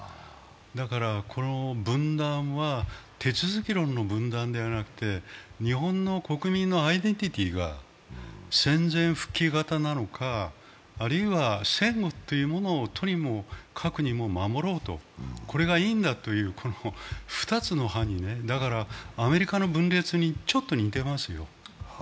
だからこの分断は、手続き論の分断ではなくて、日本の国民のアイデンティティーが戦前復帰型なのか、あるいは戦後というものを、とにもかくにも守ろうと、これがいいんだという２つの派で、だからアメリカの分裂にちょっと似てますよ。